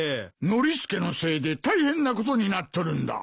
ノリスケのせいで大変なことになっとるんだ。